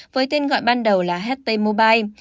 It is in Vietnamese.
với tên gọi ban đầu là ht mobile